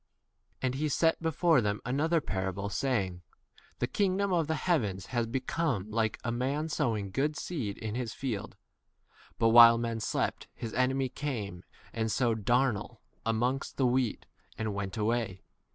24 And he set before them another parable, saying, The kingdom of the heavens has become? like a man sowing good seed in his field ; 25 but while men slept, his enemy came and sowed darnel 1 amongst 26 the wheat and went away.